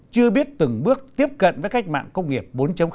chưa biết từng bước tiếp cận với cách mạng công nghiệp bốn